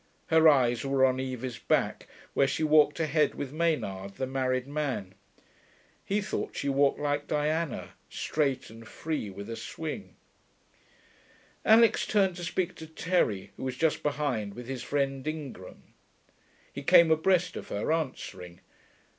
His eyes were on Evie's back, where she walked ahead with Maynard, the married man. He thought she walked like Diana, straight and free, with a swing. Alix turned to speak to Terry, who was just behind with his friend Ingram. He came abreast of her, answering.